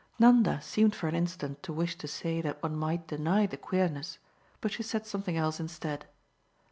Nanda seemed for an instant to wish to say that one might deny the queerness, but she said something else instead.